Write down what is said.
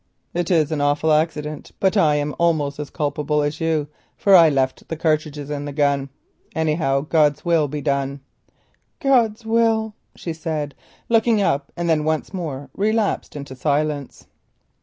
"It is an awful accident, but I am almost as culpable as you, for I left the cartridges in the gun. Anyhow, God's will be done." "God's will!" she said, looking up, and then once more relapsed into silence.